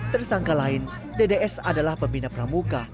tersangka lain dds adalah pembina pramuka